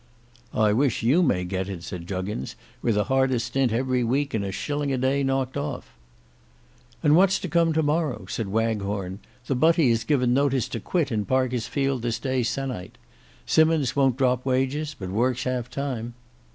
"I wish you may get it," said Juggins, "with a harder stint every week and a shilling a day knocked off." "And what's to come to morrow?" said Waghorn. "The butty has given notice to quit in Parker's field this day se'nnight. Simmons won't drop wages, but works half time."